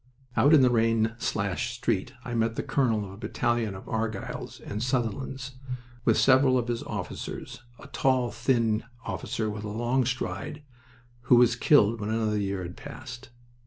Out in the rain slashed street I met the colonel of a battalion of Argylls and Sutherlands, with several of his officers; a tall, thin officer with a long stride, who was killed when another year had passed.